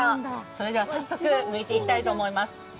それでは、早速むいていきたいと思います。